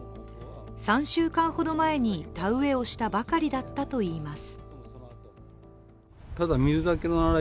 ３週間ほど前に田植えをしたばかりだったといいます。